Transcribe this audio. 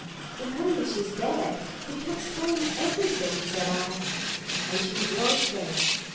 "If only she's there, we can explain everything," said I. And she was there.